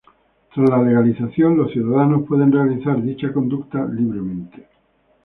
Tras la legalización, los ciudadanos pueden realizar dicha conducta libremente.